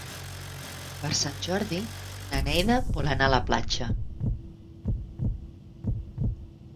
Per Sant Jordi na Neida vol anar a la platja.